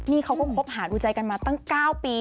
นี่เขาก็คบหาดูใจกันมาตั้ง๙ปี